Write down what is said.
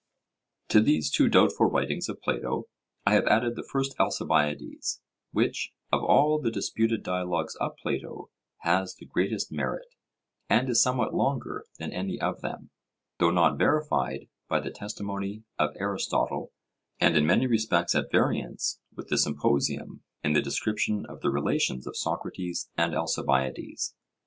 To these two doubtful writings of Plato I have added the First Alcibiades, which, of all the disputed dialogues of Plato, has the greatest merit, and is somewhat longer than any of them, though not verified by the testimony of Aristotle, and in many respects at variance with the Symposium in the description of the relations of Socrates and Alcibiades.